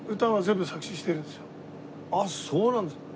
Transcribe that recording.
あっそうなんですか。